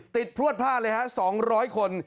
พลวดพลาดเลยฮะ๒๐๐คน